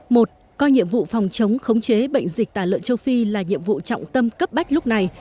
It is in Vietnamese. một coi nhiệm vụ phòng chống khống chế bệnh dịch tả lợn châu phi là nhiệm vụ trọng tâm cấp bách lúc này